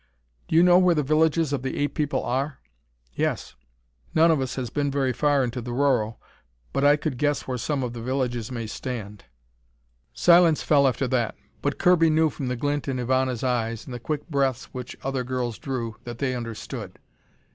"Do you know where the villages of the ape people are?" "Yes. None of us has been very far into the Rorroh, but I could guess where some of the villages may stand." Silence fell after that, but Kirby knew from the glint in Ivana's eyes, and the quick breaths which other girls drew, that they understood.